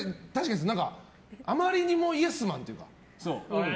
あまりにもイエスマンというか。